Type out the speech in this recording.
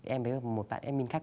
em với một bạn em minh khách